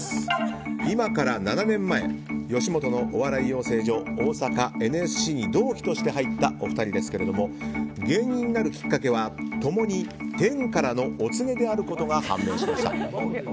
今から７年前吉本のお笑い養成所大阪ＮＳＣに同期として入ったお二人ですけども芸人になるきっかけは共に天からのお告げであることが判明しました。